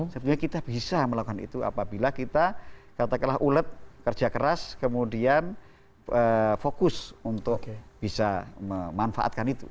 sebenarnya kita bisa melakukan itu apabila kita katakanlah ulet kerja keras kemudian fokus untuk bisa memanfaatkan itu